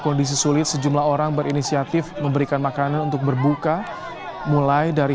kondisi sulit sejumlah orang berinisiatif memberikan makanan untuk berbuka mulai dari